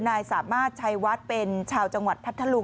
นายสามารถชัยวัดเป็นชาวจังหวัดพัทธลุง